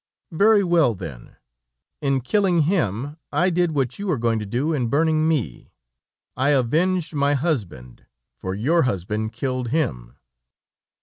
"'Very well then; in killing him, I did what you are going to do in burning me. I avenged my husband, for your husband killed him.'